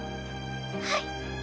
はい。